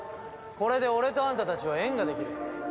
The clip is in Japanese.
これで俺とあんたたちは縁ができる。